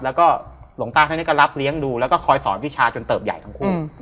แล้วก็หลวงตาท่านนี้ก็รับเลี้ยงดูแล้วก็คอยสอนวิชาจนเติบใหญ่ทั้งคู่